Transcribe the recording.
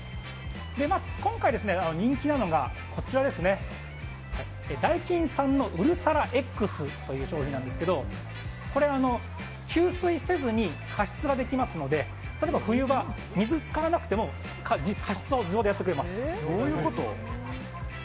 今回、人気なのがダイキンさんのうるさらＸという商品ですが給水せずに加湿ができますので例えば冬場、水を使わなくても加湿を自動でやってくれます。